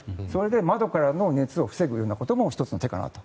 窓からの熱を防ぐようなことも１つの手かなと。